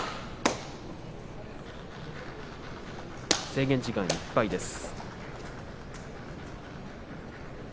制限時間いっぱいです。